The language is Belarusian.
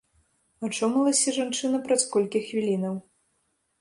Ачомалася жанчына праз колькі хвілінаў.